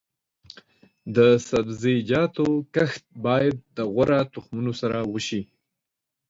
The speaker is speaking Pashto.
د سبزیجاتو کښت باید د غوره تخمونو سره وشي.